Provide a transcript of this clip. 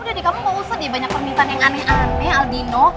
udah deh kamu gak usah deh banyak permintaan yang aneh aneh aldino